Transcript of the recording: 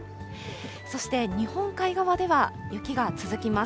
そして日本海側では雪が続きます。